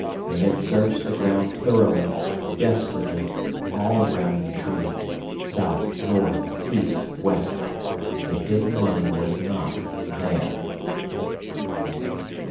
They had searched the ground thoroughly, desperately, all round the tree; south, north, east, west. THE HIDDEN MONEY WAS NOT THERE!